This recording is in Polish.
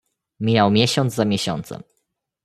"Mijał miesiąc za miesiącem."